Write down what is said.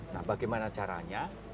nah bagaimana caranya